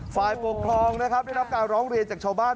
ฝ่ายปกครองนะครับได้รับการร้องเรียนจากชาวบ้าน